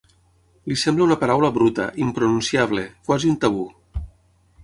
Li sembla una paraula bruta, impronunciable, quasi un tabú.